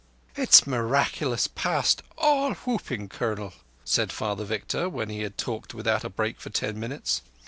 "It's miraculous past all whooping, Colonel," said Father Victor, when he had talked without a break for ten minutes.